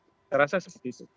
saya rasa seperti itu